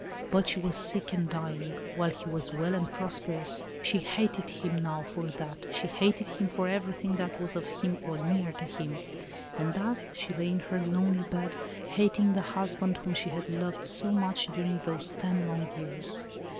But she was sick and dying, while he was well and prosperous. She hated him now for that; she hated him for everything that was of him or near to him. And thus' she lay in her lonely bed, hating the husband, whom she had loved so much during those ten long years.